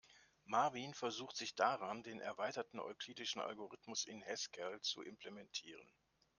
Marvin versucht sich daran, den erweiterten euklidischen Algorithmus in Haskell zu implementieren.